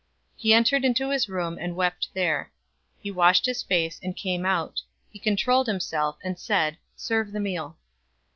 He entered into his room, and wept there. 043:031 He washed his face, and came out. He controlled himself, and said, "Serve the meal."